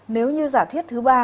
nếu như giả thiết thứ ba